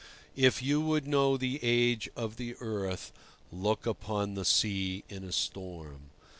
If you would know the age of the earth, look upon the sea in a storm.